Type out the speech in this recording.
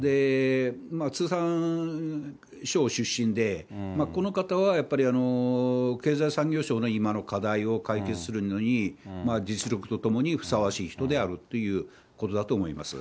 通産省出身で、この方はやっぱり、経済産業省の今の課題を解決するのに、実力とともにふさわしい人であるということだと思います。